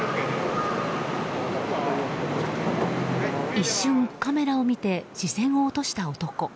一瞬、カメラを見て視線を落とした男。